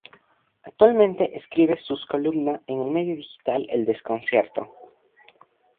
Actualmente escribe sus columna en el medio digital "El Desconcierto".